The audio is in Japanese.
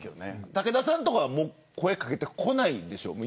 武田さんとかは声を掛けてこないでしょう。